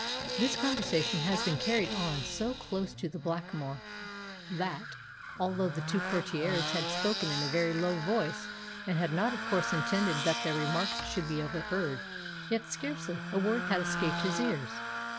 This conversation had been carried on so close to the Blackamoor, that, although the two courtiers had spoken in a very low voice, and had not of course intended that their remarks should be overheard, yet scarcely a word had escaped his ears.